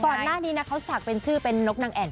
ก่อนหน้านี้นะเขาศักดิ์เป็นชื่อเป็นนกนางแอ่น